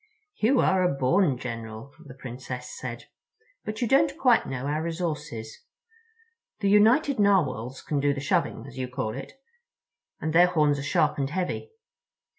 "You are a born general," the Princess said; "but you don't quite know our resources. The United Narwhals can do the shoving, as you call it—and their horns are sharp and heavy.